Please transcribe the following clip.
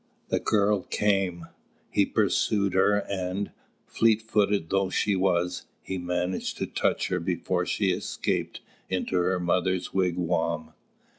The girl came; he pursued her and, fleet footed though she was, he managed to touch her before she escaped into her mother's wigwam.